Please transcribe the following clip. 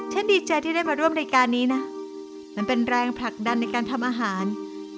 ดีใจที่ได้มาร่วมรายการนี้นะมันเป็นแรงผลักดันในการทำอาหาร